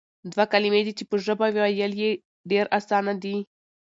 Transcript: دوه کلمې دي چې په ژبه ويل ئي ډېر آسان دي،